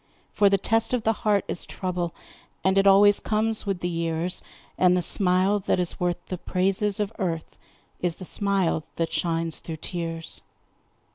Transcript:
For the test of the heart is trouble, And it always comes with the years, And the smile that is worth the praises of earth Is the smile that shines through tears.